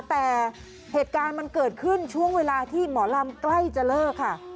แต่เหตุการณ์มันเกิดขึ้นช่วงเวลาที่หมอลำใกล้จะเลิกค่ะ